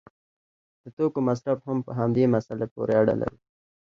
د توکو مصرف هم په همدې مسله پورې اړه لري.